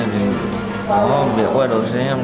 thì có việc quay đầu xe em